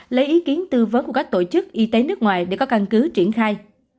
lấy ý kiến tư vấn của các tổ chức y tế nước ngoài để có căn cứ triển khai